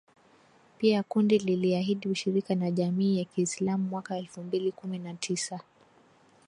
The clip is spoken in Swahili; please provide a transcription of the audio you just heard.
Pia kundi liliahidi ushirika na jamii ya kiislam mwaka elfu mbili kumi na tisa